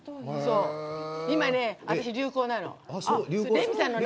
今ね、私、流行なの。